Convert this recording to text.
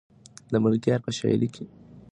د ملکیار په شاعري کې پښتني ننګ لیدل کېږي.